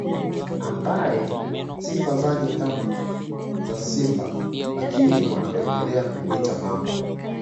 Ambaye sifa zake ni kama za simba lakini wengi wanapendelea kumuita Mamba